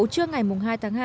trước ngày hai tháng hai